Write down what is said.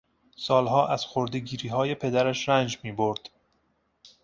سالها از خردهگیریهای پدرش رنج میبرد.